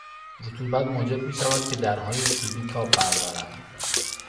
رطوبت موجب میشود که درهای چوبی تاب بردارند.